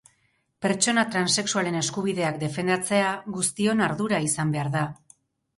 Pertsona transexualen eskubideak defendatzea guztion ardura izan behar da.